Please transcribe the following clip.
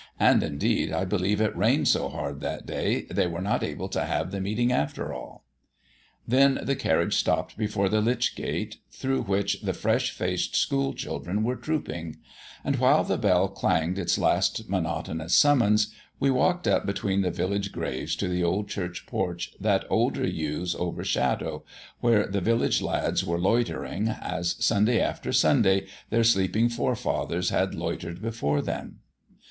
"And, indeed, I believe it rained so hard that day they were not able to have the meeting after all." Then the carriage stopped before the lych gate, through which the fresh faced school children were trooping; and while the bell clanged its last monotonous summons, we walked up between the village graves to the old church porch that older yews overshadow, where the village lads were loitering, as Sunday after Sunday their sleeping forefathers had loitered before them.